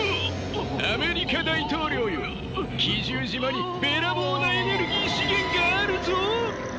アメリカ大統領よ奇獣島にべらぼうなエネルギー資源があるぞ。